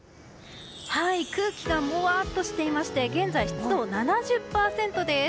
空気がもわっとしていまして現在湿度７０％です。